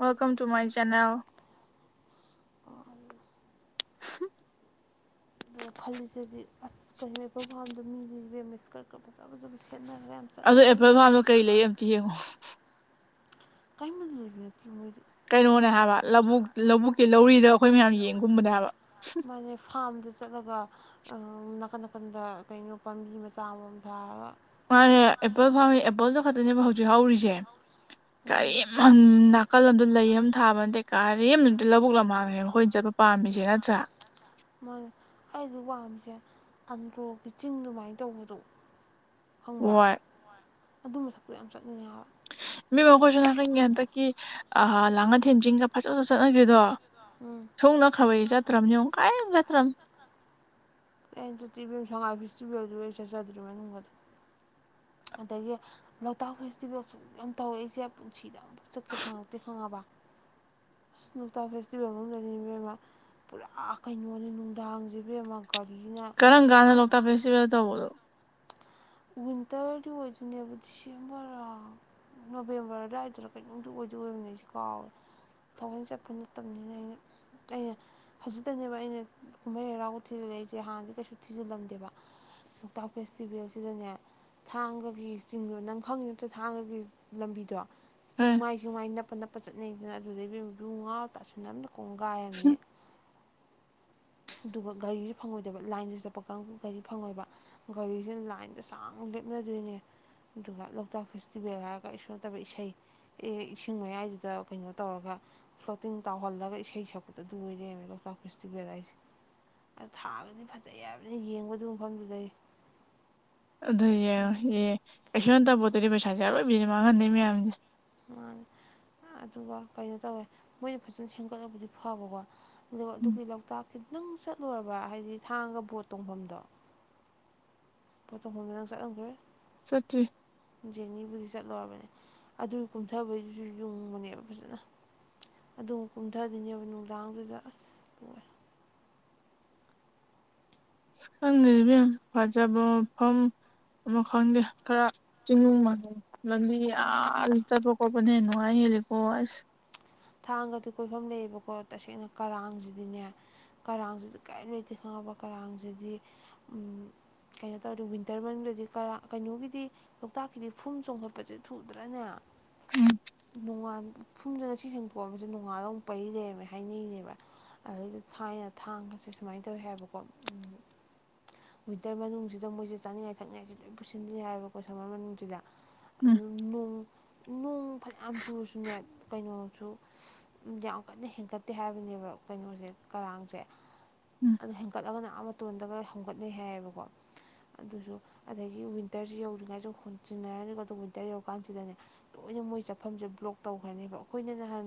welcome to my channel ꯑꯗꯨꯅ ꯈꯜꯂꯤꯁꯦꯗꯤ ꯑꯁ ꯀꯩꯅꯩ ꯄ꯭ꯔꯣꯒꯥꯝꯗꯣ ꯃꯤ ꯕꯦꯝ ꯏꯁꯀꯔꯠꯀ ꯐꯖ ꯐꯖ ꯁꯦꯠꯅꯔꯦ ꯑꯗꯣ ꯑꯦꯄꯜ ꯐꯥꯔꯝꯗꯣ ꯀꯩ ꯂꯩ ꯑꯝꯇ ꯌꯦꯡꯉꯣ ꯀꯥꯏ ꯃꯅ ꯂꯩꯒ ꯃꯣꯏ ꯀꯩꯅꯣꯅꯦ ꯍꯥꯏꯕ ꯂꯧꯕꯨꯛ ꯂꯧꯕꯨꯛꯀꯤ ꯂꯧꯔꯤꯗ ꯑꯩꯈꯣꯏ ꯃꯌꯥꯝ ꯌꯦꯡꯒꯨꯝꯕꯅꯦ ꯍꯥꯏꯕ ꯆꯠꯂꯒ ꯅꯥꯀꯟ ꯅꯥꯀꯟꯗ ꯀꯩꯅꯣ ꯄꯥꯝꯕꯤ ꯃꯆꯥ ꯑꯃꯃꯝ ꯊꯥꯔꯒ ꯃꯥꯅꯦ ꯑꯦꯄꯜ ꯐꯥꯎ ꯑꯦꯄꯜꯗꯣ ꯈꯛꯇꯅꯦꯕ ꯍꯧꯖꯤꯛ ꯍꯧꯔꯤꯁꯦ ꯀꯔꯤ ꯅꯥꯀꯜ ꯑꯃꯗ ꯂꯩ ꯊꯥꯕꯅ ꯀꯩ ꯀꯥꯔ ꯑꯝꯇ ꯂꯧꯕꯨꯛ ꯂꯝꯃꯥꯡꯂꯦꯕ ꯑꯩꯣꯏꯅ ꯆꯠꯄ ꯄꯥꯝꯃꯤꯁꯦ ꯅꯠꯇ꯭ꯔꯥ ꯃꯥꯣꯏ ꯑꯩꯗꯤ ꯄꯥꯝꯃꯤꯁꯦ ꯑꯟꯗ꯭ꯔꯣꯒꯤ ꯆꯤꯡ ꯑꯗꯨꯃꯥꯏꯅ ꯇꯧꯕꯗꯣ ꯈꯪꯕ꯭ꯔ ꯑꯗꯨ ꯃꯊꯛꯇꯨ ꯌꯥꯝ ꯆꯠꯅꯤꯡꯉꯥꯏ ꯍꯥꯏ ꯃꯤ ꯃꯈꯈꯣꯏꯁꯨ ꯅꯥꯀꯟꯒꯦ ꯍꯟꯗꯛꯀꯤ ꯂꯥꯡꯒꯟ ꯊꯦꯟꯖꯤꯡꯒ ꯐꯖꯖ ꯆꯠꯅꯈ꯭ꯔꯔꯤꯗꯣ ꯁꯣꯡꯅꯈ꯭ꯔꯕꯩ ꯆꯇ꯭ꯔꯝꯅꯤꯌꯨ ꯀꯥꯏ ꯆꯇ꯭ꯔꯝ ꯑꯩꯅ ꯆꯤ ꯏꯕꯦꯝ ꯁꯉꯥꯏ ꯐꯦꯁꯇꯤꯚꯦꯜꯗꯨ ꯑꯩ ꯆꯠꯆꯗ꯭ꯔꯤ ꯃꯅꯨꯡꯗꯗ ꯑꯗꯒꯤ ꯂꯣꯛꯇꯥꯛ ꯐꯦꯁꯇꯤꯚꯦꯜ ꯁꯨꯝ ꯌꯥꯝ ꯇꯧꯋꯦ ꯑꯩꯁꯦ ꯄꯨꯟꯁꯤꯗ ꯑꯃꯨ ꯆꯠꯀꯦ ꯐꯪꯉꯛꯇꯦ ꯈꯪꯉꯕ [inaudible] ꯑꯁ ꯂꯣꯛꯇꯥꯛ ꯐꯦꯁꯇꯤꯚꯦꯜ ꯃꯅꯨꯡꯗꯗꯨꯏꯕꯦꯃ ꯄꯨꯔꯥ ꯀꯩꯅꯣꯅꯤ ꯅꯨꯡꯗꯥꯡꯁꯤ ꯑꯣꯕꯦꯃꯥ ꯀꯔꯝ ꯀꯥꯟꯗ ꯂꯣꯛꯇꯥꯛ ꯐꯦꯁꯇꯤꯚꯦꯜ ꯇꯧꯕꯗꯨ ꯋꯤꯟꯇꯔꯗꯤ ꯑꯣꯏꯗꯣꯏꯅꯦꯕ ꯗꯤꯁꯦꯝꯕꯔ ꯅꯣꯕꯦꯝꯕꯔ ꯑꯗꯨꯋꯥꯏꯗꯔꯥ ꯀꯩꯅꯅꯨꯡꯗ ꯑꯣꯏꯗ ꯑꯣꯏꯕꯅꯤꯁꯤ ꯀꯥꯎꯋꯦ ꯊꯋꯟ ꯆꯠꯄ ꯅꯠꯇꯕꯅꯤꯅ ꯑꯩꯅ ꯑꯩꯅ ꯍꯧꯖꯤꯛꯇꯅꯦꯕ ꯑꯩꯅ ꯀꯨꯝꯍꯩ ꯍꯔꯥꯎꯕ ꯊꯤꯖꯤꯜꯂꯛꯏꯁꯦ ꯍꯥꯟꯅꯗꯤ ꯀꯩꯁꯨ ꯊꯤꯖꯤꯜꯂꯝꯗꯦꯕ ꯂꯣꯛꯇꯥꯛ ꯄꯦꯁꯇꯤꯕꯦꯜꯁꯤ ꯁꯤꯗꯅꯦ ꯊꯥꯡꯒꯒꯤ ꯆꯤꯡꯗꯣ ꯅꯪ ꯈꯪꯉꯤ ꯅꯠꯇ ꯊꯥꯡꯒꯒꯤ ꯂꯝꯕꯤꯗꯣ ꯆꯤꯡꯃꯥꯏ ꯆꯤꯡꯃꯥꯏ ꯅꯥꯞ ꯑꯄ ꯅꯞꯄ ꯆꯠꯅꯩꯗꯅ ꯑꯗꯨꯗꯩꯨ ꯂꯨ ꯉꯥꯎ ꯇꯁꯅ ꯑꯝꯅ ꯀꯣꯡꯒꯥꯏꯕꯅꯦ ꯑꯗꯨꯒ ꯒꯥꯔꯤꯁꯦ ꯐꯪꯉꯣꯏꯗꯕ ꯂꯥꯏꯟꯁꯦ ꯆꯠꯄ ꯀꯥꯡ ꯒꯥꯔꯤ ꯐꯪꯉꯣꯏꯕ ꯒꯥꯔꯤꯁꯤꯅ ꯂꯥꯏꯟꯁꯦ ꯁꯥꯡ ꯂꯦꯞꯅꯗꯣꯏꯅꯦ ꯑꯗꯨꯒ ꯂꯣꯛꯇꯥꯛ ꯐꯦꯁꯇꯤꯚꯦꯜ ꯍꯥꯏꯔꯒ ꯏꯁꯣ ꯅꯠꯇꯕ ꯏꯁꯩ ꯑꯦ ꯏꯁꯤꯡ ꯃꯌꯥꯏꯁꯤꯗ ꯀꯩꯅꯣ ꯇꯧꯔꯒ ꯐ꯭ꯂꯣꯇꯤꯡ ꯇꯧꯍꯜꯂꯒ ꯏꯁꯩ ꯁꯛꯄꯗ ꯂꯣꯏꯔꯦꯕ ꯑꯗꯣ ꯆꯥꯎ ꯀꯁ ꯇꯗꯤꯕꯤꯔ ꯍꯥꯏ ꯑ ꯊꯥꯒꯗꯤ ꯐꯖꯩ ꯍꯥꯏꯕꯅꯤ ꯌꯦꯡꯕꯗ ꯃꯐꯝꯗꯨꯗ ꯑꯗꯨ ꯌꯦꯡꯉꯌꯦ ꯀꯩꯁ ꯇꯄꯣꯠꯇꯗꯤ ꯄꯩꯁꯥꯁꯦ ꯑꯔꯣꯏꯕꯤꯅꯦ ꯃꯥꯡꯍꯟꯅꯤ ꯃꯌꯥꯝꯁꯦ ꯃꯥ ꯑꯗꯨꯒ ꯀꯩꯅꯣ ꯇꯧꯋꯦ ꯃꯣꯏꯅ ꯐꯖꯅ ꯁꯦꯝꯒꯠꯂꯕꯨꯗꯤ ꯐꯕꯀꯣ ꯑꯗꯣ ꯑꯗꯨꯒꯤ ꯂꯣꯛꯇꯥꯛ ꯈꯤꯇꯪ ꯆꯠꯂꯨꯔꯕ ꯍꯥꯏꯗꯤ ꯊꯥꯡꯒ ꯕꯣꯠ ꯇꯣꯡꯐꯝꯗꯣ ꯄꯣꯠꯇꯧꯐꯝꯗ ꯅꯪ ꯆꯠꯂꯝꯈ꯭ꯔꯦ ꯖꯦꯅꯤꯕꯨꯗꯤ ꯆꯠꯂꯨꯔꯕꯅꯦ ꯑꯗꯨꯒꯤ ꯀꯨꯝꯊꯕꯩꯗꯨꯁꯨ ꯌꯨꯡꯕꯅꯦꯕ ꯐꯖꯅ ꯑꯗꯨꯝ ꯀꯨꯝꯊꯔꯤꯅꯦꯕ ꯅꯨꯡꯗꯥꯡꯗꯨꯗ ꯑꯁ ꯄꯣꯛꯑꯦ ꯕꯤ ꯐꯖ ꯐꯝ ꯑꯃ ꯈꯪꯗꯦ ꯈꯔ ꯆꯤꯡꯅꯨꯡ ꯃꯥꯟꯅꯤꯡ ꯂꯝꯕꯤ ꯑ ꯆꯠꯄꯀꯕꯨ ꯍꯅꯉ ꯍꯦꯀ ꯑꯁ ꯊꯥꯡꯒꯗꯤ ꯀꯣꯏꯐꯝ ꯂꯩꯌꯦꯕꯀꯣ ꯇꯁꯦꯡꯅ ꯀꯔꯥꯡꯁꯤꯗꯤꯅꯦ ꯀꯔꯥꯡꯁꯤꯗꯤ ꯀ ꯂꯩꯇ ꯑꯅꯕ ꯀꯔꯥꯡꯁꯤꯗꯤ ꯀꯩꯅꯣ ꯇꯧꯔꯗꯤ ꯋꯤꯟꯇꯔ ꯃꯅꯨꯡꯗꯗꯤ ꯀꯔ ꯀꯩꯅꯣꯒꯤꯗꯤ ꯂꯣꯛꯇꯥꯛꯀꯤꯗꯤ ꯐꯨꯝ ꯆꯣꯡꯈꯠꯄꯁꯦ ꯊꯨꯗ꯭ꯔꯅꯦ ꯅꯣꯡꯉꯜ ꯐꯨꯝꯗꯅ ꯁꯤ ꯁꯦꯡ ꯄꯣꯠ ꯑꯃꯁꯁ ꯅꯣꯡꯉꯥꯂꯧ ꯑꯃꯨꯛꯩꯔꯦꯕ ꯍꯥꯏꯅꯤꯡꯅꯦꯦꯕ ꯑꯗꯩꯗꯤ ꯊꯥꯏꯅ ꯊꯥꯡꯒꯁꯦꯨꯃꯥꯏꯅ ꯇꯧꯋꯤ ꯍꯥꯏꯕꯀꯣ ꯝ ꯎꯝ ꯋꯤꯟꯇꯔ ꯃꯅꯨꯡꯁꯤꯗ ꯃꯣꯏꯁꯦ ꯆꯥꯅꯤꯡꯉꯥꯏ ꯊꯛꯅꯤꯡꯉꯥꯏꯁꯦ ꯂꯣꯏ ꯄꯨꯁꯤꯜꯂꯦ ꯍꯥꯏꯌꯦꯕꯀꯣ ꯁꯝꯃꯔ ꯃꯅꯨꯡꯁꯤꯗ ꯑꯗꯨꯣꯡ ꯅꯣꯡ ꯐꯖ ꯌꯥꯝ ꯆꯨꯔꯁꯨꯅꯦ ꯀꯩꯅꯣꯁꯨ ꯌꯥꯝ ꯀꯟꯅ ꯍꯦꯟꯀꯠꯇꯦ ꯍꯥꯏꯕꯅꯦꯕ ꯀꯩꯅꯣꯁꯦ ꯀꯔꯥꯡꯁꯦ ꯑꯗꯨ ꯍꯦꯟꯀꯠꯂꯒꯅ ꯃꯇꯣꯟꯗꯒ ꯍꯒꯠꯅꯩ ꯍꯥꯏꯌꯦꯕꯀꯣ ꯑꯗꯨꯁꯨ ꯑꯗꯒꯤ ꯋꯤꯟꯇꯔꯁꯨ ꯌꯧꯗ꯭ꯔꯤꯉꯩꯁꯨ ꯍꯣꯟꯖꯤꯤꯟꯅꯔꯅꯤꯀꯣ ꯑꯗꯨ ꯋꯤꯟꯇꯔ ꯌꯧꯔ ꯀꯥꯟꯁꯤꯗꯅꯦꯣꯏ ꯑꯣꯏꯩꯅ ꯃꯣꯏ ꯆꯥꯐꯝꯁꯦ ꯕ꯭ꯂꯣꯛ ꯇꯧꯈ꯭ꯔꯅꯦꯕ ꯑꯩꯈꯣꯏꯅ ꯅꯍꯥꯟ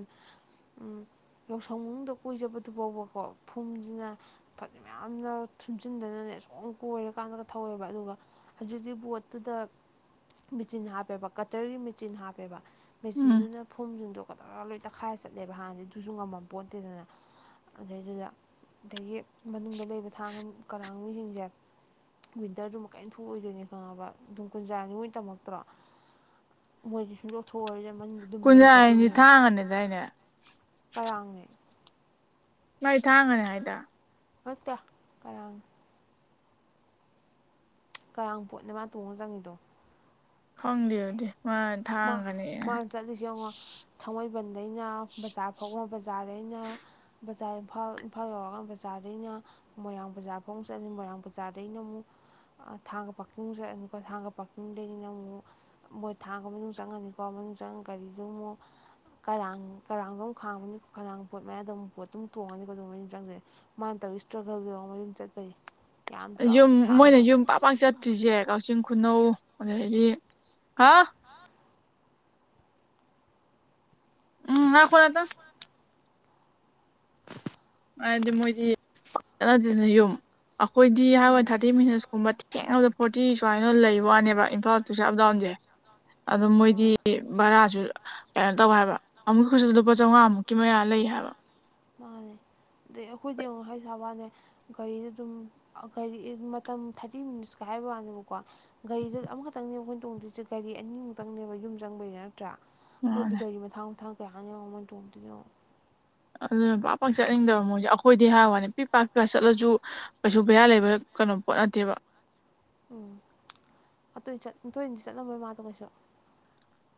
ꯎ ꯌꯥꯎꯁꯪ ꯃꯅꯨꯡꯗ ꯀꯣꯏꯖꯕꯗꯨ ꯐꯥꯎꯕꯀꯣ ꯐꯨꯝꯁꯤꯅ ꯐꯖ ꯃꯌꯥꯝꯅ ꯊꯨꯝꯖꯤꯟꯗꯅꯅꯦ ꯁꯨꯝ ꯀꯣꯏꯔꯀꯥꯟꯗꯒ ꯊꯧꯋꯦꯕ ꯑꯗꯨꯒ ꯍꯧꯖꯤꯛꯇꯤ ꯕꯣꯠꯇꯨꯗ ꯃꯦꯆꯤꯟ ꯍꯥꯞꯄꯦꯕ ꯀꯇꯔꯒꯤ ꯃꯦꯆꯤꯟ ꯍꯥꯞꯄꯦꯕ ꯃꯦꯆꯤꯟꯗꯨꯅ ꯐꯨꯝꯁꯤꯡꯗꯣ ꯀꯗꯥꯏ ꯇꯛꯈꯥꯏꯔ ꯆꯠꯂꯦꯕ ꯍꯥꯟꯅꯗꯤ ꯑꯗꯨꯨꯁꯨ ꯉꯝꯃꯝ ꯄꯣꯠꯇꯦꯗꯅ ꯑꯗꯨꯗꯩꯗꯨꯗ ꯑꯗꯒꯤ ꯃꯅꯨꯡꯗ ꯂꯩꯕ ꯊꯥꯡ ꯀꯔꯥꯡ ꯃꯤꯁꯤꯡꯁꯦ ꯋꯤꯟꯇꯔꯗꯨꯃ ꯀꯔꯤꯝ ꯊꯣꯛꯑꯣꯏꯗꯣꯏꯅꯤ ꯈꯪꯉꯕ ꯑꯗꯨꯝ ꯀꯨꯟꯖꯥ ꯅꯤꯉꯣꯏ ꯇꯝꯃꯛꯇ꯭ꯔꯣ ꯃꯣꯏꯗꯤꯦ ꯁꯨꯡ ꯆꯣꯛꯊꯣꯛꯑꯣꯔꯤꯁꯦ ꯃꯟ ꯑꯗꯨꯝ ꯂꯩꯈ꯭ꯔꯗꯕꯅꯦꯕ ꯌꯥꯏꯅ ꯀꯥꯡꯅꯦ ꯃꯥꯏ ꯊꯥꯡꯉꯅꯤ ꯍꯥꯏꯗ ꯑꯣ ꯀꯌꯥ ꯀꯔꯥꯡ ꯀꯔꯥꯡ ꯄꯣꯠꯅ ꯃꯥ ꯇꯣꯡꯉ ꯆꯪꯉꯤꯗꯣ ꯈꯪꯗꯦꯕꯗꯤ ꯃꯥ ꯊꯥꯡꯒꯅꯤꯅꯦ ꯕꯟꯗꯩꯅ ꯕꯖꯥꯔ ꯐꯥꯎꯕ ꯕꯖꯥꯔꯗꯩꯅ ꯕꯖꯥꯔꯥ ꯏꯝꯐꯥꯜ ꯌꯧꯔꯒ ꯕꯖꯥꯔꯗꯩꯅ ꯃꯣꯏꯔꯥꯡ ꯕꯖꯥꯔꯐꯥꯎ ꯆꯠꯂꯤ ꯃꯣꯏꯔꯥꯡ ꯕꯖꯥꯔꯗ ꯑꯩꯅ ꯑꯃꯨꯛ ꯊꯥꯡꯒ ꯄꯥꯀꯤꯡ ꯆꯠꯂꯅꯤꯀꯣ ꯊꯥꯡꯒ ꯄꯥꯀꯤꯡꯗꯒꯤꯅ ꯑꯃꯨꯛ ꯃꯣꯏ ꯊꯥꯡꯒ ꯃꯅꯨꯡ ꯆꯪꯉꯅꯤꯀꯣ ꯆꯪꯉ ꯒꯥꯔꯤꯗꯨ ꯑꯃꯨꯛ ꯀꯔꯥꯡ ꯀꯔꯥꯡꯗꯣꯨꯛ ꯈꯥꯡꯕꯅꯤ ꯀꯔꯥꯡ ꯄꯣꯠ ꯃꯌꯥꯗ ꯑꯃꯨꯛ ꯄꯣꯠꯇ ꯑꯗꯨꯝ ꯇꯣꯡꯉꯅꯤꯀꯣ ꯑꯗꯨ ꯆꯪꯁꯦ ꯏꯁꯇ꯭ꯔꯒꯜ ꯃꯝ ꯆꯠꯄꯩ ꯌꯨꯝ ꯃꯣꯏꯅ ꯌꯨꯝ ꯄꯥꯛ ꯄꯥꯛ ꯆꯠꯇ꯭ꯔꯤꯁꯦ ꯀꯛꯆꯤꯡ ꯈꯨꯅꯧ ꯑꯗꯒꯤ ꯍꯥ ꯎꯝ ꯉ ꯀꯔ ꯇ ꯍꯥꯏꯗꯤ ꯃꯣꯏꯗꯤꯅꯅ ꯌꯨꯝ ꯑꯩꯈꯣꯏꯗꯤ ꯍꯥꯏꯔ ꯊꯥꯔꯇꯤ ꯃꯤꯅꯠꯁꯀꯨꯝꯕ ꯊꯦꯡꯅꯕꯗ ꯐꯣꯔꯇꯤ ꯁꯨꯃꯥꯏꯅ ꯂꯩꯕ ꯋꯥꯅꯦꯕ ꯏꯝꯐꯥꯜ ꯇꯨꯁꯦ ꯑꯞꯗꯥꯎꯟꯁꯦ ꯑꯗꯣ ꯃꯣꯏꯗꯤ ꯚꯔꯥꯁꯨ ꯀꯩꯅꯣ ꯇꯧ ꯍꯥꯏꯕ ꯑꯃꯨꯛꯀꯁꯤꯗ ꯂꯨꯄꯥ ꯆꯥꯝꯃꯉꯥꯃꯨꯛꯀꯤ ꯃꯌꯥ ꯂꯩ ꯍꯥꯏꯕ ꯃꯥꯅꯦ ꯑꯗꯩ ꯑꯩꯈꯣꯏꯗꯤ ꯑꯃ ꯍ ꯁꯥꯕꯥꯅꯦ ꯒꯥꯔꯤ ꯑꯗꯨꯝꯒꯥꯔꯤ ꯃꯇꯝ ꯊꯥꯔꯇꯤ ꯃꯤꯅꯤꯠꯁ ꯀꯥꯏ ꯍꯥꯏꯕ ꯋꯥꯅꯦꯕꯀꯣ ꯒꯥꯔꯤꯗ ꯑꯃꯈꯛꯇꯪꯅꯦꯕ ꯑꯩꯈꯣꯏꯅ ꯇꯣꯡꯗꯣꯏꯁꯦ ꯒꯥꯔꯤ ꯑꯅꯤꯃꯨꯛꯇꯪꯅꯦꯕ ꯌꯨꯝ ꯆꯪꯕꯩꯅꯤꯅ ꯅꯠꯇ꯭ꯔꯥ ꯃꯣꯏꯗꯤ ꯒꯥꯔꯤ ꯃꯊꯥꯡ ꯃꯊꯥꯡ ꯀꯌꯥꯅ ꯌꯦꯣ ꯃꯣꯏ ꯇꯣꯡꯗꯣꯏꯅꯣ ꯑꯗꯨꯅ ꯄꯥꯛ ꯄꯥꯛ ꯆꯠꯅꯤꯡꯗꯕ ꯃꯣꯏꯁꯦ ꯑꯩꯈꯣꯏꯗꯤ ꯍꯥꯏꯔ ꯋꯥꯅꯤ ꯄꯤ ꯄꯥꯛꯀ ꯆꯠꯂꯁꯨ ꯀꯩꯁꯨ ꯕꯌꯥ ꯂꯩꯕ ꯀꯩꯅꯣ ꯄꯣꯠ ꯅꯠꯇꯦꯕ ꯎꯝ ꯑꯗꯨ ꯊꯣꯏꯅꯗꯤ ꯆꯠꯂꯝꯕꯣꯏ ꯃꯥꯗꯣ ꯀꯩꯁꯨ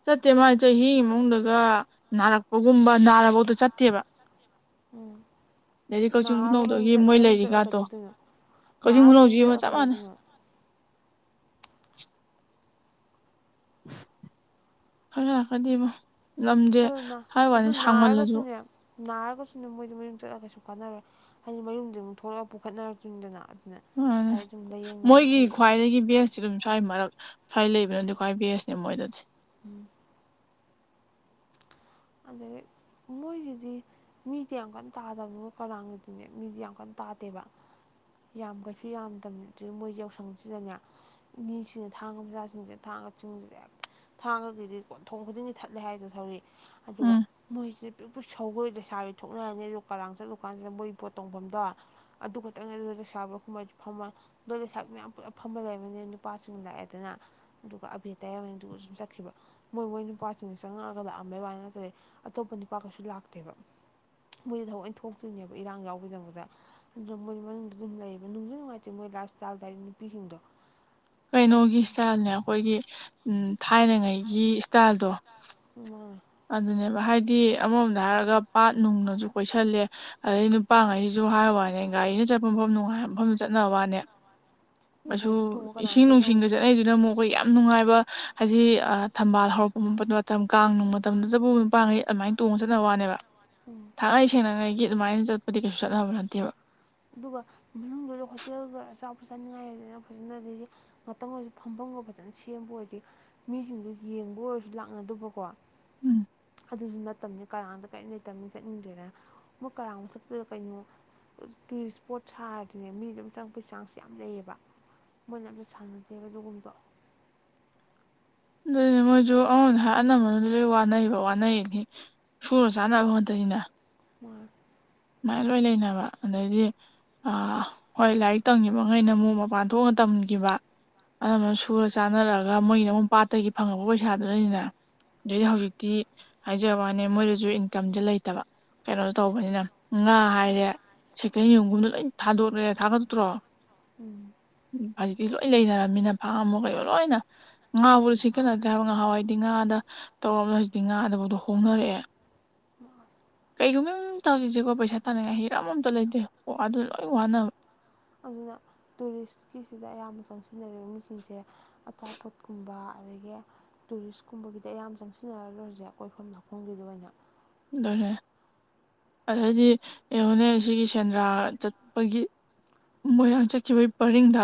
ꯆꯠꯇꯦ ꯃꯥꯒꯤ ꯆꯍꯤ ꯃꯅꯨꯡꯗꯒ ꯅꯥꯔꯛꯄꯒꯨꯝꯕ ꯅꯥꯐꯧꯗ ꯆꯠꯇꯦꯕ ꯎꯝ ꯅꯥꯔꯒ ꯃꯌꯨꯝꯠ ꯃꯌꯨꯝ ꯆꯠꯂ ꯀꯩꯗꯧꯗꯣꯏꯅꯣ ꯀꯛꯆꯤꯡꯕꯨꯅ ꯍꯧꯖꯤ ꯃ ꯆꯞ ꯃꯥꯟꯅ ꯐꯂꯣꯀꯗꯤꯕ ꯉꯝꯗꯦ ꯍꯥꯏ ꯋꯥꯅꯤ ꯁꯥꯡꯃꯜꯂꯁꯨ ꯅꯥꯔꯒꯁꯨ ꯅꯝ ꯃꯣꯏꯗ ꯃꯌꯨꯝ ꯆꯠꯂꯒ ꯀꯩꯁꯨ ꯀꯥꯟꯅꯔꯣꯏ ꯍꯥꯏꯗꯤ ꯃꯌꯨꯝꯗ ꯑꯗꯨꯝ ꯊꯣꯛꯂꯛꯑ ꯄꯨꯈꯠꯅꯔꯛꯇꯣꯏꯅꯤꯗꯅ ꯎ ꯃꯣꯏꯒꯤ ꯈ꯭ꯋꯥꯏꯗꯒꯤ ꯕꯒꯁꯤ ꯑꯗꯨꯝ ꯁ꯭ꯋꯥꯏ ꯃꯔꯛ ꯐꯥꯏ ꯂꯩꯕ ꯅꯗꯤ ꯀꯥꯏꯏ ꯕꯦꯁꯅꯦ ꯃꯣꯏꯗꯗꯤ ꯎꯝ ꯑꯩ ꯃꯣꯏꯒꯤꯗꯤ ꯃꯤꯗꯤ ꯌꯥꯝ ꯀꯟꯅ ꯇꯥꯗꯕꯅꯤꯣꯏ ꯀꯔꯥꯡꯒꯤꯗꯨꯅꯦ ꯃꯤꯗꯤ ꯌꯥꯝ ꯀꯟꯅ ꯇꯥꯗꯦꯕ ꯌꯥꯝ ꯀꯩꯁꯨ ꯌꯥꯝꯗ ꯃꯣꯏ ꯌꯥꯎꯁꯪꯁꯤꯗꯅꯦ ꯃꯤꯁꯤꯡꯅ ꯊꯥꯡꯉ ꯃꯆꯥꯁꯤꯡꯁꯦ ꯊꯥꯡ ꯀꯛꯆꯤꯡ ꯊꯥꯡꯉꯒꯤꯗꯤ ꯀꯣ ꯊꯣꯡ ꯈꯨꯗꯤꯡꯒꯤ ꯊꯠꯂꯦ ꯍꯥꯏꯗꯣ ꯁꯧꯔꯤꯛ ꯑꯗꯨꯒ ꯃꯣꯏꯁꯤ ꯁꯧꯧꯕꯣꯏ ꯂꯩꯁꯥꯕꯤꯣꯏ ꯊꯣꯛꯅꯔꯅꯤ ꯑꯗꯣ ꯀꯔꯥꯡ ꯆꯠꯂꯨ ꯀꯥꯟꯁꯤꯗ ꯃꯣꯏꯒꯤ ꯄꯣꯠ ꯇꯣꯡꯐꯝꯗꯣ ꯑꯗꯨ ꯈꯛꯇꯪꯅꯦ ꯑꯗꯨ ꯂꯩꯁꯥ ꯂꯣꯏ ꯂꯩꯁꯥꯛ ꯃꯌꯥꯝ ꯄꯨꯂꯞ ꯐꯝꯕ ꯂꯩꯕꯅꯤꯅꯦ ꯅꯨꯄꯥꯁꯤꯡ ꯂꯥꯛꯑꯦꯗꯅ ꯑꯗꯨꯒ ꯑꯕꯦ ꯍꯥꯏꯅꯤ ꯑꯗꯨꯒ ꯁꯨꯝ ꯆꯠꯈꯤꯕ ꯃꯣꯏ ꯃꯣꯏ ꯅꯨꯄꯥꯁꯤꯡꯅ ꯆꯪꯉꯛꯑꯒꯗ ꯑꯃ ꯋꯥꯅ ꯑꯇꯣꯞꯄ ꯅꯤꯄꯥ ꯀꯩꯁꯨ ꯂꯥꯛꯇꯦꯕ ꯃꯣꯏꯗꯤ ꯊꯕꯛꯩꯅ ꯊꯣꯛꯇꯣꯏꯅꯦꯕ ꯏꯔꯥꯡ ꯌꯥꯎꯒꯤꯗꯃꯛꯇ ꯑꯗꯨ ꯃꯣꯏ ꯃꯅꯨꯡꯗ ꯑꯗꯨꯝ ꯂꯩꯌꯦꯕ ꯅꯨꯡꯁꯨꯨ ꯅꯨꯡꯉꯥꯏꯇꯦ ꯃꯣꯏ ꯂꯥꯁꯇꯥꯗ ꯅꯨꯄꯤꯁꯤꯡꯗꯣ ꯀꯩꯅꯣꯒꯤ ꯏꯁꯇꯥꯏꯜꯅꯦ ꯑꯩꯈꯣꯏꯒꯤ ꯊꯥꯏꯅꯉꯩꯒꯤ ꯏꯁꯇꯥꯏꯜꯗꯣ ꯑꯗꯨꯅꯦꯕ ꯍꯥꯏꯗꯤ ꯑꯃꯔꯣꯝꯗ ꯍꯥꯏꯔꯒ ꯄꯥꯠ ꯅꯨꯡꯅꯁꯨ ꯀꯣꯏꯁꯜꯂꯦ ꯑꯗꯩ ꯅꯨꯄꯥꯉꯩꯁꯨ ꯐꯏ ꯋꯥꯏꯅꯦ ꯒꯥꯔꯤꯅ ꯆꯠꯄ ꯃꯐꯝ ꯅꯨꯡꯉꯥꯏ ꯃꯐꯝꯗ ꯆꯠꯅꯕ ꯋꯥꯅꯦ ꯀꯁꯨ ꯏꯁꯤꯡ ꯅꯨꯡꯁꯤꯡꯒ ꯆꯠꯅꯩꯗꯨꯅ ꯑꯃꯨꯛ ꯑꯩꯈꯣꯏ ꯌꯥꯝ ꯅꯨꯡꯉꯥꯏꯕ ꯍꯥꯏꯗꯤ ꯊꯝꯕꯥꯜ ꯍꯧꯔꯛꯄ ꯃꯇꯝ ꯀꯥꯡꯅꯨꯡ ꯃꯇꯝꯗꯨ ꯆꯄ ꯃꯄꯥꯡꯉꯩ ꯑꯗꯨꯃꯥꯏꯅ ꯇꯣꯡꯉ ꯆꯠꯅꯕ ꯋꯥꯅꯦꯕ ꯊꯥꯡꯅꯩ ꯁꯦꯡꯅꯉꯩꯒꯤ ꯑꯗꯨꯃꯥꯏꯅ ꯆꯠꯄꯗꯤ ꯀꯩꯁꯨ ꯆꯠꯅꯕ ꯅꯠꯇꯦꯕ ꯑꯗꯨꯒ ꯃꯅꯨꯡꯗꯨꯗ ꯍꯣꯇꯦꯜꯒ ꯑꯆꯥꯄꯣꯠ ꯆꯥꯅꯤꯡꯉꯥꯏꯗꯅ ꯐꯖꯅ ꯑꯗꯒꯤꯗꯤ ꯉꯥꯛꯇꯪ ꯑꯣꯏꯁꯨ ꯐꯐꯝ ꯐꯖꯅ ꯁꯦꯝꯕ ꯑꯣꯏꯔꯗꯤ ꯃꯤꯁꯤꯡꯗꯨ ꯌꯦꯡꯕ ꯑꯣꯏꯔꯁꯨ ꯂꯥꯛꯅꯗꯕꯀꯣ ꯎꯝ ꯑꯗꯨꯁꯨ ꯅꯠꯇꯕꯅꯤ ꯀꯔꯥꯡꯗ ꯀꯔꯤ ꯂꯩꯇꯕꯅꯤ ꯆꯠꯅꯤꯡꯗꯦꯗ ꯃꯣꯏ ꯀꯔꯥꯡ ꯃꯁꯛꯇꯨꯗ ꯀꯩꯅꯣ ꯇꯨꯔꯤꯁ ꯏꯁꯄꯣꯠ ꯁꯥꯔꯗꯨꯅꯦ ꯃꯤꯗ ꯑꯃ ꯆꯪꯉꯛꯄꯒꯤ ꯆꯥꯡꯁꯦ ꯌꯥꯝ ꯂꯩꯌꯦꯕ ꯃꯣꯏꯅ ꯑꯝꯇ ꯁꯥꯟꯅꯗꯦꯕ ꯑꯗꯨꯒꯨꯝꯕꯗꯣ ꯑꯗꯨꯏꯅꯦ ꯃꯣꯏꯁꯨ ꯑꯩꯉꯣꯟꯗ ꯑꯅꯝꯕꯟꯗ ꯂꯣꯏ ꯋꯥꯅꯩꯕ ꯋꯥꯅꯩꯅꯤ ꯁꯨꯔ ꯆꯥꯅꯕ ꯍꯣꯠꯇꯩ ꯑꯅ ꯃꯥ ꯁꯨꯃꯥꯏꯅ ꯂꯣꯏ ꯂꯩꯅꯕ ꯑꯗꯩꯗꯤ ꯍꯣꯏ ꯂꯥꯏꯔꯤꯛ ꯇꯝꯉꯤꯕ ꯉꯩꯅ ꯑꯃꯨꯛ ꯃꯄꯥꯟ ꯊꯣꯛꯅ ꯇꯝꯈꯤꯕ ꯑꯅꯝꯕꯅ ꯁꯨꯔ ꯆꯥꯅꯔꯛꯑꯒ ꯃꯣꯏꯒꯤꯅ ꯑꯃꯛ ꯄꯥꯠꯇꯒꯤ ꯐꯪꯉꯛꯄ ꯄꯩꯁꯥꯗꯨ ꯂꯩꯅꯤꯅ ꯑꯗꯨꯏꯗꯤ ꯍꯧꯖꯤꯛꯇꯤ ꯍꯥꯏꯖꯕ ꯋꯥꯅꯦ ꯃꯣꯏꯗꯁꯨ ꯏꯟꯀꯝꯁꯦ ꯂꯩꯇꯕ ꯀꯩꯅꯣ ꯇꯧꯕꯅꯤꯅ ꯉꯥ ꯍꯥꯏꯔꯦ ꯁꯩꯀꯜ ꯌꯨꯝꯒꯨꯝꯗ ꯂꯣꯏ ꯊꯥꯗꯣꯛꯂꯦ ꯊꯥꯒꯠꯇ꯭ꯔꯣ ꯎꯝ ꯍꯧꯖꯤꯛꯇꯤ ꯂꯣꯏ ꯂꯩꯅꯔꯝꯃꯤꯅ ꯐꯥ ꯑꯃ ꯀꯩꯔꯣ ꯂꯣꯏꯅ ꯉꯥꯕꯨ ꯁꯤꯠꯀꯠꯂꯗ꯭ꯔꯦ ꯍꯥꯏꯕ ꯉꯍꯥꯟꯋꯥꯏꯗꯤ ꯉꯥꯗ ꯇꯧꯔꯝꯅ ꯍꯧꯖꯤꯛꯇꯤ ꯉꯥꯗꯕꯗꯣ ꯍꯣꯡꯅꯔꯛꯑꯦ ꯎ ꯀꯩꯒꯨꯝꯃꯦ ꯇꯧꯖꯦꯒꯣ ꯄꯩꯁꯥ ꯇꯥꯅꯤꯡꯉꯥꯏ ꯍꯤꯔꯝ ꯑꯝꯇ ꯂꯩꯇꯦ ꯑꯣ ꯑꯗꯨ ꯂꯣꯏ ꯋꯥꯅꯕ ꯑꯗꯨꯅ ꯇꯨꯔꯤꯁꯀꯤꯁꯤꯗ ꯑꯌꯥꯝꯕ ꯆꯪꯁꯤꯟꯅꯔꯤꯕ ꯃꯤꯁꯤꯡꯁꯦ ꯑꯆꯥꯄꯣꯠꯀꯨꯝꯕ ꯑꯗꯒꯤ ꯇꯨꯔꯤꯁꯀꯨꯝꯕꯒꯤꯗꯤ ꯑꯌꯥꯝꯕ ꯆꯪꯁꯤꯟꯅꯔ ꯂꯣꯏꯔꯁꯦ ꯀꯣꯏꯐꯝ ꯅꯥꯛꯐꯝꯒꯤꯗ ꯑꯣꯏꯅ ꯑꯗꯨꯅꯦ ꯑꯗꯩꯗꯤ ꯑꯩꯉꯣꯅꯦ ꯁꯤꯒꯤ ꯁꯦꯟꯗ꯭ꯔꯥ ꯆꯠꯄꯒꯤ ꯃꯣꯏꯔꯥꯡ ꯆꯠꯈꯤꯕꯩ ꯄꯔꯤꯡꯗ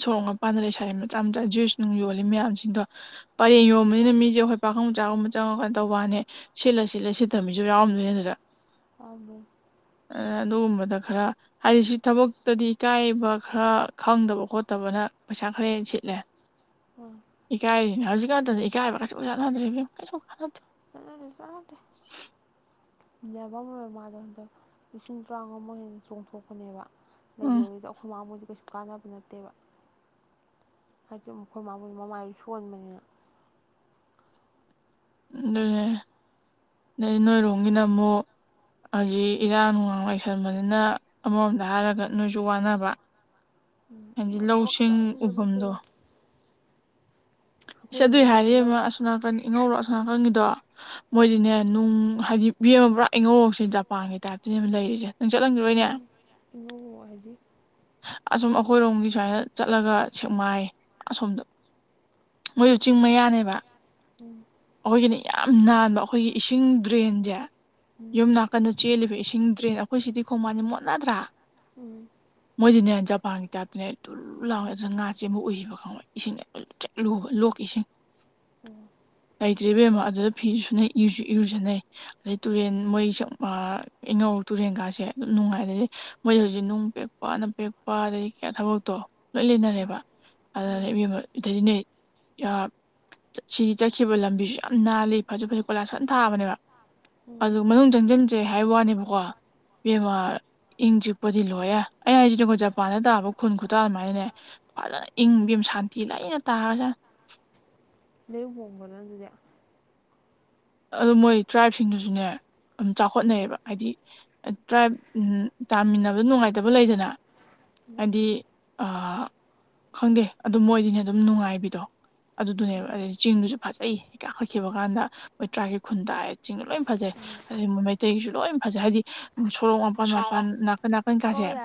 ꯁꯣꯔ ꯃꯄꯥꯟꯗ ꯂꯩꯁꯔ ꯃꯆꯥ ꯃꯆꯥ ꯖ꯭ꯔꯦꯁ ꯅꯨꯡ ꯌꯣꯜꯂꯤ ꯃꯌꯥꯝꯁꯤꯡꯗꯣ ꯄꯔꯦꯡ ꯌꯣꯟꯕꯅꯤꯅ ꯃꯤꯁꯦ ꯑꯩꯈꯣꯏ ꯑꯩꯈꯣꯏ ꯄꯥꯈꯪ ꯃꯆꯥꯒꯨꯝꯕ ꯆꯪꯉꯒ ꯀꯥꯟ ꯇꯧꯕꯅꯦ ꯁꯤꯠꯂ ꯁꯤꯠꯂ ꯁꯤꯠꯠꯇ ꯊꯃꯤꯁꯨ ꯌꯥꯎꯔꯝꯗꯣꯏꯅꯦ ꯑꯗꯨꯗ ꯊꯝꯕ ꯑꯗꯨꯒꯨꯝꯕꯗ ꯈꯔ ꯍꯥꯏꯗꯤ ꯁꯤ ꯊꯕꯛꯇꯗꯤ ꯏꯀꯥꯏꯕ ꯈꯔ ꯈꯪꯗꯕ ꯈꯣꯠꯇꯕ ꯑꯗꯨꯅ ꯄꯩꯁꯥ ꯈꯔ ꯍꯦꯟ ꯁꯤꯠꯂꯦ [inaudible] ꯏꯀꯥꯏꯔꯤꯅ ꯍꯧꯖꯤꯛꯀꯥꯟꯗꯗꯤ ꯏꯀꯥꯏꯕꯒ ꯀꯩꯁꯨ ꯆꯥꯟꯅꯗ꯭ꯔꯦ ꯏꯕꯦꯝꯃꯥꯥ ꯀꯩꯁꯨ ꯀꯥꯟꯅꯗꯦ ꯑꯖꯥꯗ ꯃꯤꯅꯔꯚꯥ ꯃꯣꯏ ꯃꯃꯥꯗꯣ ꯍꯟꯗꯛ ꯂꯤꯁꯤꯡ ꯇꯔꯥꯃꯉꯥꯃꯛ ꯍꯦꯟꯅ ꯆꯣꯡꯊꯣꯛꯄꯅꯦꯕ ꯂꯩ ꯌꯣꯜꯂꯤꯗ ꯑꯩꯈꯣꯏ ꯃꯥꯕꯣꯏꯗꯤ ꯀꯩꯁꯨ ꯀꯥꯟꯅꯕ ꯅꯠꯇꯦꯕ ꯍꯥꯏꯗꯤ ꯃꯈꯣꯏ ꯃꯥꯕꯨꯣꯏ ꯃꯃꯥꯏꯁꯨ ꯁꯣꯟꯕꯅꯤꯅ ꯑꯗꯨꯅꯦ ꯅ ꯅꯣꯏꯔꯣꯡꯒꯤꯅ ꯑꯃꯨꯛ ꯑꯁꯤ ꯏꯔꯥꯡ ꯅꯨꯡꯉꯥꯡ ꯂꯩꯁꯟꯕꯅꯤꯅ ꯑꯃꯔꯣꯝꯗ ꯍꯥꯏꯔꯒ ꯅꯣꯏꯁꯨ ꯋꯥꯅꯕ [inaudible] ꯍꯥꯏꯗꯤ ꯂꯧꯁꯤꯡ ꯎꯕꯝꯗꯣ ꯏꯁ ꯑꯗꯨꯏ ꯍꯥꯏꯗꯤ ꯏꯕꯦꯝꯃ ꯑꯁꯣ ꯅꯥꯀꯟ ꯏꯉꯧꯔ ꯑꯁꯣꯅꯥꯀꯟꯒꯤꯗꯣ ꯃꯣꯏꯗꯤꯅꯦ ꯎꯝ ꯍꯥꯏꯗꯤ ꯃꯤ ꯑꯃ ꯄꯨꯔꯥ ꯏꯪꯉꯧꯔꯣꯛꯁꯦ ꯖꯄꯥꯟꯒꯤ ꯇꯥꯏꯞꯇꯅꯦ ꯑꯃ ꯂꯩꯔꯤꯁꯦ ꯎꯝ ꯏꯉꯧꯔꯣꯛ ꯍꯥꯏꯗꯤ ꯑꯁꯨꯝ ꯑꯩꯈꯣꯏꯔꯣꯝꯒꯤ ꯁꯨꯃꯥꯏꯅ ꯆꯠꯂꯒ ꯁꯦꯛꯃꯥꯏ ꯑꯁꯣꯝꯗ ꯃꯣꯏꯁꯨ ꯆꯤꯡ ꯃꯌꯥꯅꯦꯕ ꯑꯩꯈꯣꯏꯒꯤꯅꯦ ꯌꯥꯝ ꯅꯥꯟꯕ ꯑꯩꯈꯣꯏꯒꯤ ꯏꯁꯤꯡ ꯗ꯭ꯔꯦꯟꯁꯦ ꯌꯨꯝ ꯅꯥꯀꯟꯗ ꯆꯦꯜꯂꯤꯕ ꯏꯁꯤꯡ ꯆꯤꯡꯗ꯭ꯔꯦꯅ ꯑꯩꯈꯣꯏ ꯁꯤꯗꯤ ꯈꯣꯡꯕꯥꯅꯤ ꯃꯣꯠꯅꯗ꯭ꯔꯥ ꯎꯝ ꯁꯤꯅꯦ ꯖꯄꯥꯟꯒꯤ ꯇꯥꯏꯞꯇꯅꯦ ꯊꯨꯂ ꯂꯥꯎꯋꯦ ꯑꯗꯨꯅ ꯉꯥ ꯆꯦꯟꯕ ꯎꯈꯤꯕ ꯈꯪꯉꯦ ꯏꯁꯤꯡ ꯂꯨꯊꯔ꯭ꯤꯛ ꯂꯨꯕ ꯂꯣꯛ ꯏꯁꯤꯡ [unintelligible] ꯎꯝ ꯂꯩꯇ꯭ꯔꯤꯕꯦꯝꯃ ꯑꯗꯨꯗ ꯐꯤꯁꯨꯨꯅꯩ ꯏꯁꯨ ꯏꯔꯨꯖꯅꯩ ꯑꯗꯩ ꯇꯨꯔꯦꯟ ꯃꯣꯏ ꯁ ꯏꯉꯧ ꯇꯨꯔꯦꯟꯒꯥꯁꯦ ꯑꯗꯨꯝ ꯅꯨꯡꯉꯥꯏ ꯑꯩ ꯃꯣꯏꯗꯤ ꯍꯧꯖꯤꯛ ꯅꯨꯡ ꯄꯦꯛꯄ ꯑꯅ ꯄꯦꯛꯄ ꯑꯗꯒꯤ ꯊꯕꯛꯇꯣ ꯂꯣꯏ ꯂꯩꯅꯔꯦꯕ ꯑꯗꯗꯤ ꯏꯕꯦꯝꯃꯥ ꯑꯗꯤꯅꯦ ꯁꯤꯒꯤ ꯆꯠꯈꯤꯕ ꯂꯝꯕꯤꯁꯨ ꯌꯥꯝ ꯅꯥꯜꯂꯤ ꯐꯖ ꯐꯖ ꯀꯣꯏꯂꯥꯁ ꯐꯥꯖ ꯊꯥꯕꯅꯦꯕ ꯑꯗꯨ ꯃꯅꯨꯡ ꯆꯪꯁꯤꯟꯁꯦ ꯍꯥꯏꯕ ꯋꯥꯅꯦꯕꯀꯣꯦꯝꯃ ꯏꯪ ꯆꯤꯛꯄꯗꯤ ꯂꯣꯏꯔꯦ ꯑꯩ ꯍꯥꯏꯁꯤ ꯖꯄꯥꯟꯗ ꯇꯥꯕ ꯈꯨꯟ ꯈꯨꯇꯥ ꯑꯗꯨꯃꯥꯏꯅꯅꯦ ꯐꯖꯅ ꯏꯪ ꯁꯥꯟꯇꯤ ꯂꯩꯅ ꯇꯥꯔꯁꯨ ꯅꯌꯨꯝ ꯍꯣꯡ ꯒꯣꯗꯅ ꯑꯗꯨꯗꯤ ꯑꯗꯨ ꯃꯣꯏ ꯇ꯭ꯔꯥꯏꯞꯁꯤꯡꯗꯨꯁꯨꯅꯦ ꯑꯗꯨꯝ ꯆꯥꯎꯈꯠꯅꯩꯌꯦꯕ ꯍꯥꯏꯗꯤ ꯇ꯭ꯔꯥꯏꯞ ꯇꯥꯃꯤꯟꯅꯕ ꯅꯨꯡꯉꯥꯏꯇꯕ ꯂꯩꯗꯅ ꯍꯥꯏꯗꯤ ꯈꯪꯗꯦ ꯑꯗꯨꯝ ꯃꯣꯏꯗꯤꯅꯦ ꯑꯗꯨꯝ ꯅꯨꯡꯉꯥꯏꯕꯤꯗꯣ ꯑꯗꯨꯗꯨꯅꯦꯕ ꯑꯗꯩ ꯆꯤꯡꯗꯨꯁꯨ ꯐꯖꯩ ꯀꯥꯈꯠꯈꯤꯕ ꯀꯥꯟꯗ ꯃꯣꯏꯇ꯭ꯔꯥꯒꯤ ꯈꯨꯟꯗꯥꯏ ꯆꯤꯡ ꯂꯣꯏ ꯐꯖꯩ ꯑꯗꯒꯤ ꯃꯩꯇꯩꯒꯤꯁꯨ ꯂꯣꯏ ꯐꯖꯩ ꯍꯥꯏꯗꯤ ꯁꯣꯔꯣꯛ ꯃꯄꯟ ꯃꯄꯥꯟ ꯅꯥꯀꯟ ꯅꯥꯀꯟ ꯀꯥꯁꯦ [inaudible]